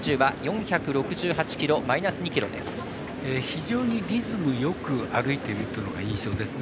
非常にリズムよく歩いているっていうのが印象です。